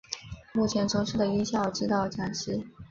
目前从事的音效指导讲师。